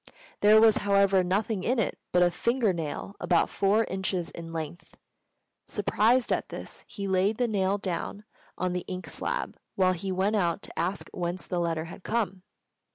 There was, however, nothing in it but a finger nail about four inches in length. Surprised at this, he laid the nail down on the ink slab while he went out to ask whence the letter had come.